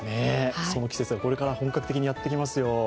その季節がこれから本格的にやってきますよ。